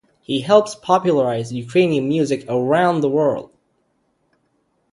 He helped popularize Ukrainian music around the world.